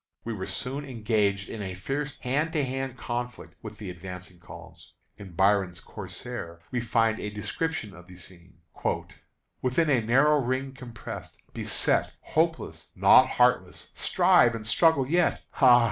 We were soon engaged in a fierce hand to hand conflict with the advancing columns. In Byron's "Corsair" we find a description of the scene: "Within a narrow ring compressed, beset, Hopeless, not heartless, strive and struggle yet, Ah!